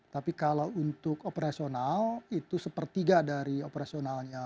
tapi kalau untuk operasional itu sepertiga dari operasionalnya